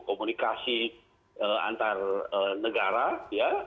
komunikasi antar negara ya